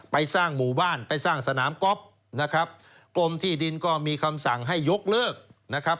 ไปสร้างหมู่บ้านไปสร้างสนามก๊อฟนะครับกรมที่ดินก็มีคำสั่งให้ยกเลิกนะครับ